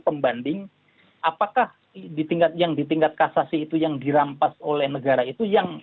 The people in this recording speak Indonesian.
pembanding apakah di tingkat yang di tingkat kasasi itu yang dirampas oleh negara itu yang